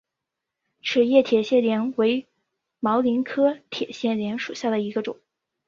齿叶铁线莲为毛茛科铁线莲属下的一个种。